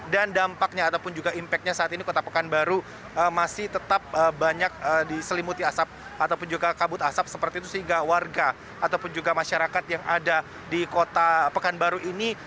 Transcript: dan dampaknya ataupun juga impactnya saat ini kota pekanbaru masih tetap banyak diselimuti asap ataupun juga kabut asap seperti itu sehingga warga ataupun juga masyarakat yang ada di kota pekanbaru ini